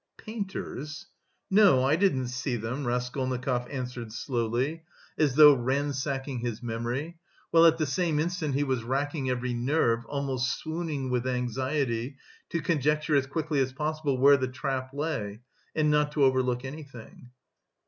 "Painters? No, I didn't see them," Raskolnikov answered slowly, as though ransacking his memory, while at the same instant he was racking every nerve, almost swooning with anxiety to conjecture as quickly as possible where the trap lay and not to overlook anything.